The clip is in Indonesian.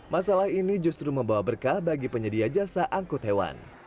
masalah ini justru membawa berkah bagi penyedia jasa angkut hewan